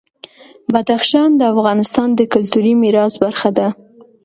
بدخشان د افغانستان د کلتوري میراث برخه ده.